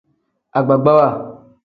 Agbagbawa.